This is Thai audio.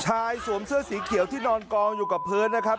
สวมเสื้อสีเขียวที่นอนกองอยู่กับพื้นนะครับ